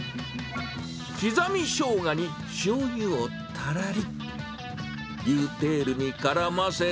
刻みしょうがにしょうゆをたらり。